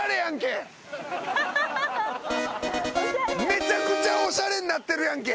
めちゃくちゃおしゃれになってるやんけ。